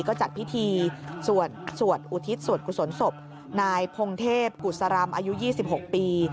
ก็จัดพิธีสวดอุทิศส่วนกุศลศพนายพงเทพกุศรำอายุ๒๖ปี